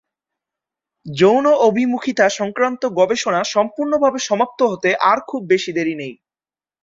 যৌন অভিমুখিতা সংক্রান্ত গবেষণা সম্পুর্ণভাবে সমাপ্ত হতে আর খুব বেশি দেরি নেই।